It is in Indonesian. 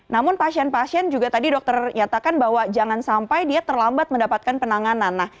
namun pasien pasien juga tadi dokter nyatakan bahwa jangan sampai dia terlambat mendapatkan penanganan